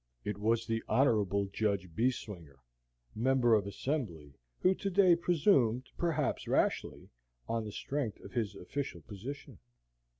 It was the Hon. Judge Beeswinger, Member of Assembly, who to day presumed, perhaps rashly, on the strength of his official position.